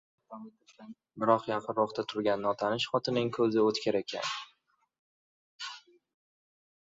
Biroq yaqinroqda turgan notanish xotinning ko‘zi o‘tkir ekan.